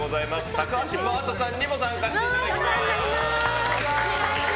高橋真麻さんにも参加していただきます。